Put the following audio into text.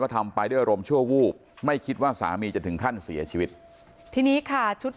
ทำไปด้วยอารมณ์ชั่ววูบไม่คิดว่าสามีจะถึงขั้นเสียชีวิตทีนี้ค่ะชุด